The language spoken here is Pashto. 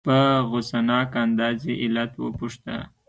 په غصناک انداز یې علت وپوښته.